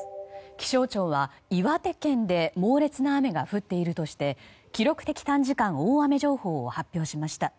気象庁は岩手県で猛烈な雨が降っているとして記録的短時間大雨情報を発表しました。